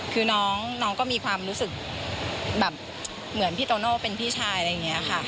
คือน้องก็มีความรู้สึกแบบเหมือนพี่โตโน่เป็นพี่ชายอะไรอย่างนี้ค่ะ